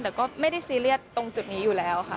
แต่ก็ไม่ได้ซีเรียสตรงจุดนี้อยู่แล้วค่ะ